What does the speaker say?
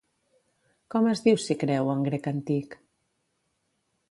Com es diu Cicreu en grec antic?